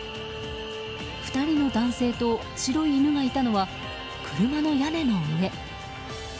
２人の男性と白い犬がいたのは車の屋根の上。